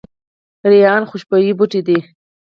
ریحان خوشبویه بوټی دی